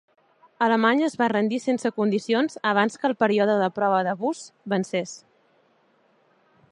Alemanya es va rendir sense condicions abans que el període de prova de Busse vencés.